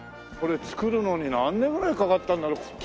これ造るのに何年ぐらいかかったんだろう？